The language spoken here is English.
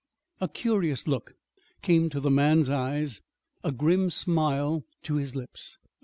A curious look came to the man's eyes, a grim smile to his lips.